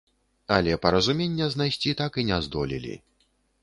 Але паразумення знайсці так і не здолелі.